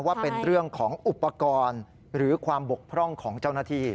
ว่าเป็นเรื่องของอุปกรณ์หรือความบกพร่องของเจ้าหน้าที่